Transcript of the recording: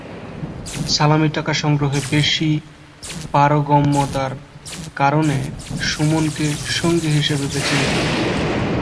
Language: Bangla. সালামির টাকা সংগ্রহে বেশি পারঙ্গমতার কারণে সুমনকে সঙ্গী হিসেবে বেছে নিতাম।